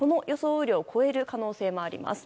雨量を超える可能性もあります。